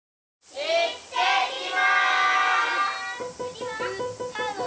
行ってきます！